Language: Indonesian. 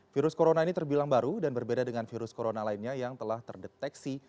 virus corona ini terbilang baru dan berbeda dengan virus corona lainnya yang telah terdeteksi